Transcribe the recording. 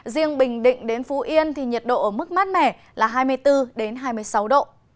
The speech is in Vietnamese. riêng bình định đến phú yên thì nhiệt độ ở mức mát mẻ là hai mươi bốn hai mươi sáu độ